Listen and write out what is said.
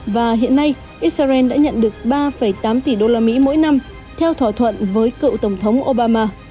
và hiện nay israel đã nhận được ba tám tỷ đô la mỹ mỗi năm theo thỏa thuận với cựu tổng thống obama